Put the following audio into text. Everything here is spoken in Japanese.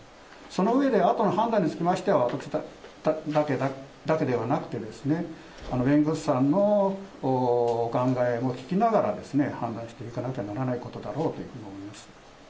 その上で、あとの判断につきましては、私だけではなくて、弁護士さんのお考えも聞きながら、判断していかなきゃならないことだろうと思います。